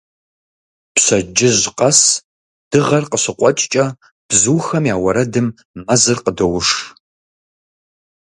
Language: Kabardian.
Пщэддыжь къэс, дыгъэр къыщыкъуэкӀкӀэ, бзухэм я уэрэдым мэзыр къыдоуш.